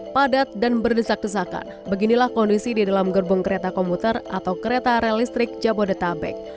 padat dan berdesak desakan beginilah kondisi di dalam gerbong kereta komuter atau kereta rel listrik jabodetabek